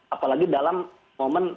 apalagi dalam momen